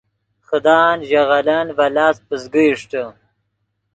خدان ژے غلن ڤے لاست پزگے اشٹے